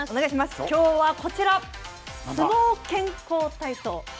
きょうはこちら、相撲健康体操。